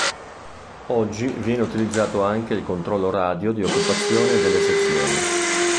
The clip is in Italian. Oggi viene utilizzato anche il controllo radio di occupazione delle sezioni.